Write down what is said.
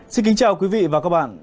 xin kính chào quý vị và các bạn